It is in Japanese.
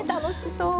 そう。